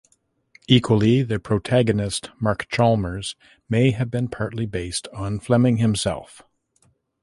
Equally the protagonist Mark Chalmers may have been partly based on Fleming himself.